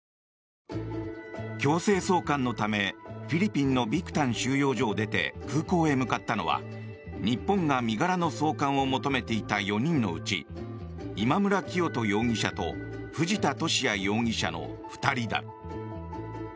強制送還のため、フィリピンのビクタン収容所を出て空港へ向かったのは日本が身柄の送還を求めていた４人のうち今村磨人容疑者と藤田聖也容疑者の２人だ。